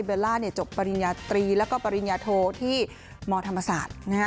เบลล่าจบปริญญาตรีและปริญญโทที่มธรรมศาสตร์